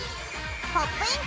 「ポップイン！